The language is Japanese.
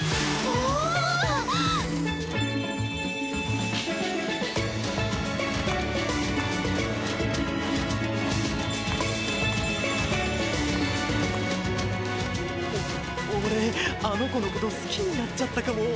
おおれあの子のことすきになっちゃったかも。